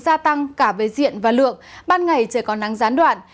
gia tăng cả về diện và lượng ban ngày trời còn nắng gián đoạn